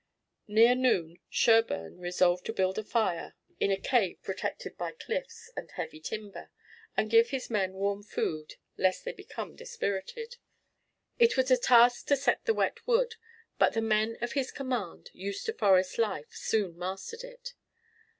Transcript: Near noon Sherburne resolved to build a fire in a cove protected by cliffs and heavy timber, and give his men warm food lest they become dispirited. It was a task to set the wet wood, but the men of his command, used to forest life, soon mastered it.